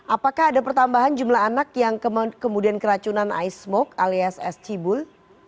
apakah ada pertambahan jumlah anak yang kemudian keracunan ice smoke alias es cibul